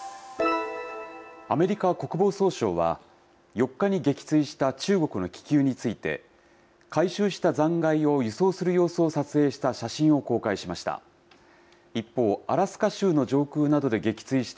アメリカ国防総省は、４日に撃墜した中国の気球について、回収した残骸を輸送する様子を撮影した写真を公開しました。